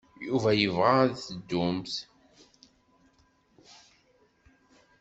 Yuba yebɣa ad teddumt.